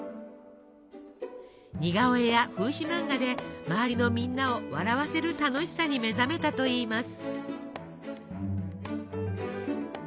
似顔絵や風刺漫画で周りのみんなを笑わせる楽しさに目覚めたといいます。